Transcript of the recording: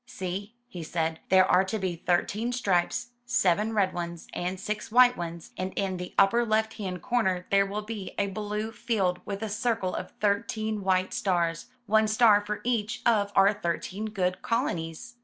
"See," he said, "there are to be thirteen stripes, seven red ones and six white ones, and in the upper left hand corner there will be a blue field with a circle of thirteen white stars, one star for each of our thirteen good colonies."